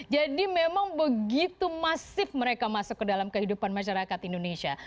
memang begitu masif mereka masuk ke dalam kehidupan masyarakat indonesia